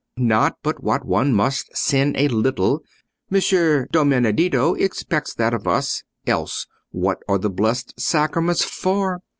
Not but what one must sin a little—Messer Domeneddio expects that of us, else what are the blessed sacraments for?